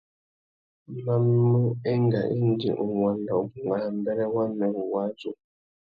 Ma mú enga indi nʼwanda ubungana mbêrê wamê wuwadjú.